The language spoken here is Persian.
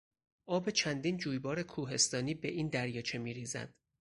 آب چندین جویبار کوهستانی به این دریاچه میریزد.